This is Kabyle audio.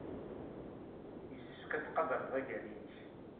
Yessefk ad tqadred agal-nnek.